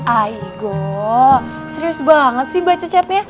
aigo serius banget sih baca chatnya